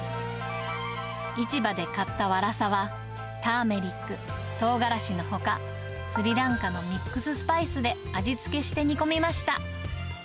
市場で買ったワラサは、ターメリック、トウガラシのほか、スリランカのミックススパイスで味付けして煮込みました。